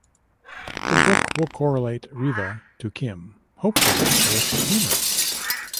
The book will correlate Reva to Kim, hopefully with humor.